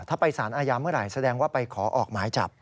ถ้าไปสารอาญาเมื่อไหร่แสดงว่าไปขอออกหมายจับ